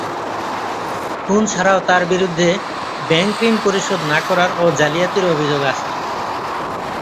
খুন ছাড়াও তার বিরুদ্ধে ব্যাংক ঋণ পরিশোধ না করার ও জালিয়াতির অভিযোগ আছে।